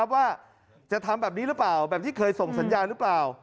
ว่าจะทำแบบนี้หรือเปล่าแบบที่เคยส่งสัญญาณหรือเปล่า